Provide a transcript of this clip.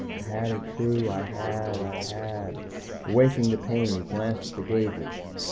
_I had a true I had I had _ Awakening to pain, he glanced at the gauges.